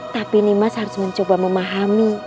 tapi nimas harus mencoba memahami